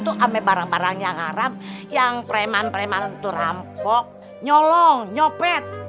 untuk ambil barang barang yang haram yang preman preman itu rampok nyolong nyopet